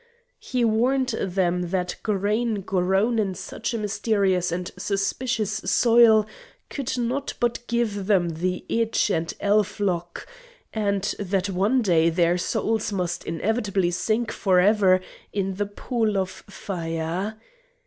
He warned them that grain grown in such a mysterious and suspicious soil could not but give them the itch and elflock, and that one day their souls must inevitably sink for ever in the pool of fire.